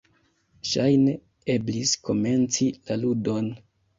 Ŝajne, eblis komenci la ludon.